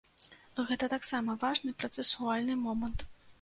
Гэта таксама важны працэсуальны момант.